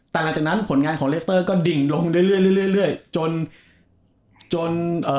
แต่หลังจากนั้นผลงานของเลสเตอร์ก็ดิ่งลงเรื่อยเรื่อยเรื่อยจนจนเอ่อ